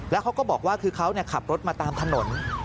แล้วเขาก็บอกว่าคือเขาขับรถมาตามถนน